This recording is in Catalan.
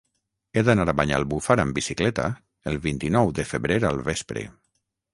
He d'anar a Banyalbufar amb bicicleta el vint-i-nou de febrer al vespre.